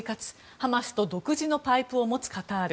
ハマスと独自のパイプを持つカタール。